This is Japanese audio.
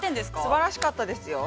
◆すばらしかったですよ。